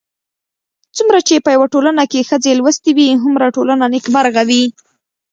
څومره چې په يوه ټولنه کې ښځې لوستې وي، هومره ټولنه نېکمرغه وي